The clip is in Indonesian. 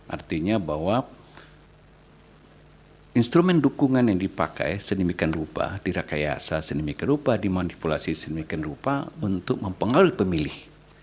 artinya bahwa instrumen dukungan yang dipakai sedemikian rupa dirakayasa sedemikian rupa dimanipulasi sedemikian rupa untuk mempengaruhi pemilih